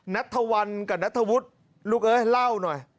นัทธวัลกับนัทธวุฒิลูกเอ้ยเล่าหน่อย